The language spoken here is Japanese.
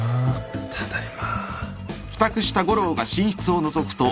ただいま。